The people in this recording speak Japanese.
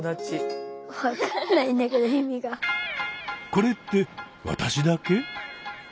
これって私だけ？